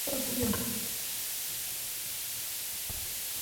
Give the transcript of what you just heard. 新浪网简介